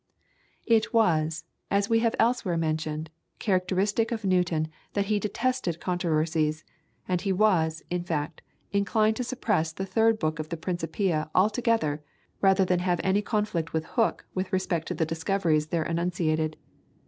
It was, as we have elsewhere mentioned, characteristic of Newton that he detested controversies, and he was, in fact, inclined to suppress the third book of the "Principia" altogether rather than have any conflict with Hooke with respect to the discoveries there enunciated.